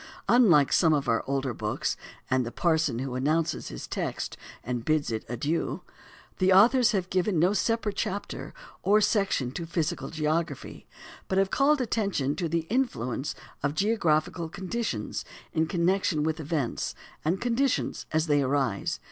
Unlike some of our older books, and the parson who announces his text and bids it adieu the authors have given no separate chapter or section to physical geography, but have called attention to the influence of geographical conditions in connection with events and conditions as they arise.